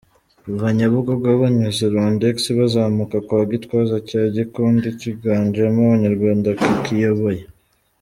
Kuva Nyabugogo banyuze Rwandex bazamuka kwa Gitwaza cya gikundi kiganjemo Abanyarwanda kikiyoboye.